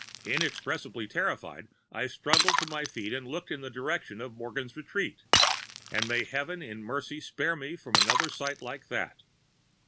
Inexpressibly terrified, I struggled to my feet and looked in the direction of Morgan's retreat; and may heaven in mercy spare me from another sight like that!